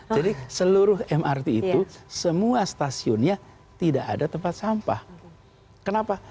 jadi seluruh mrt itu semua stasiunnya tidak ada tempat sampah kenapa